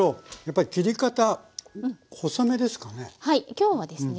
今日はですね